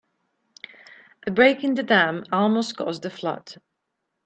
A break in the dam almost caused a flood.